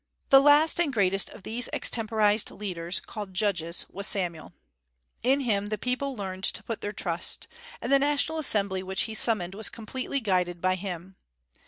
The last and greatest of these extemporized leaders called Judges, was Samuel. In him the people learned to put their trust; and the national assembly which he summoned was completely guided by him.